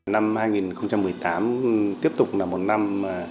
năm hai nghìn một mươi tám tiếp tục là một năm